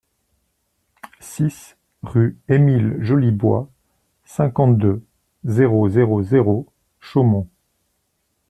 six rue Émile Jolibois, cinquante-deux, zéro zéro zéro, Chaumont